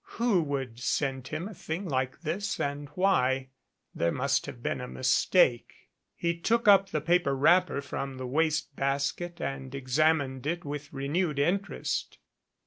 Who would send him a thing like this and why? There must have been a mistake. He took up the paper wrapper from the waste basket and ex amined it with renewed interest.